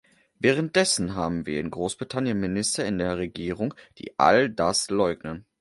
Währenddessen haben wir in Großbritannien Minister in der Regierung, die all das leugnen.